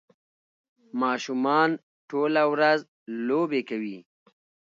ماشومان ټوله ورځ لوبې کوي